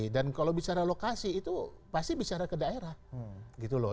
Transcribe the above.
kalau bicara lokasi itu pasti bicara ke daerah gitu loh